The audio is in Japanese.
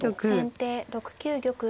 先手６九玉。